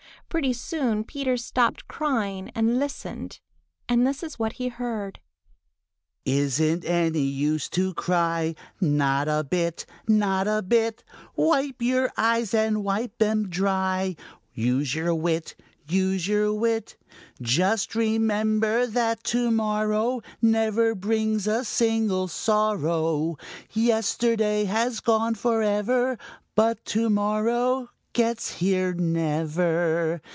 Pretty soon Peter stopped crying and listened, and this is what he heard: "Isn't any use to cry! Not a bit! Not a bit! Wipe your eyes and wipe 'em dry! Use your wit! Use your wit! Just remember that to morrow Never brings a single sorrow. Yesterday has gone forever And to morrow gets here never.